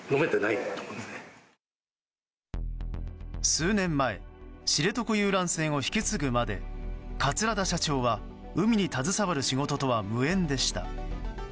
数年前知床遊覧船を引き継ぐまで桂田社長は海に携わる仕事とは無縁でした。